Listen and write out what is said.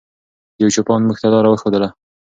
یو چوپان موږ ته لاره وښودله.